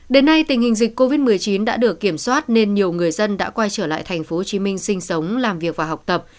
đến nay tình hình dịch covid một mươi chín đã được kiểm soát nên nhiều người dân đã quay trở lại tp hcm sinh sống làm việc và học tập